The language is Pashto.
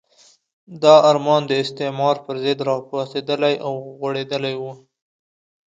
دا ارمان د استعمار پرضد راپاڅېدلی او غوړېدلی وو.